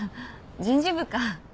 人事部か。